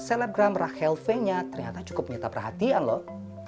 selebgram rachel fenya ternyata cukup menyata perhatian loh